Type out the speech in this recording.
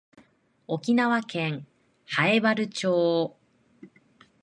沖縄県南風原町